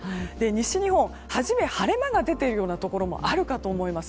西日本、初め晴れ間が出ているところもあるかと思います。